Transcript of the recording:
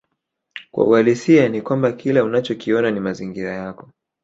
Kwa uhalisia ni kwamba kila unachokiona ni mazingira yako